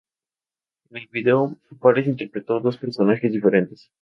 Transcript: En el vídeo, Fares interpretó dos personajes diferentes.